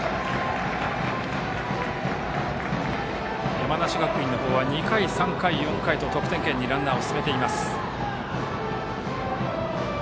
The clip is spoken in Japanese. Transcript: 山梨学院の方は２回、３回、４回と得点圏にランナーを進めています。